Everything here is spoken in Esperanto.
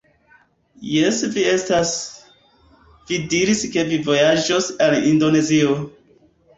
Jes vi estas! Vi diris, ke vi revojaĝos al Indonezio!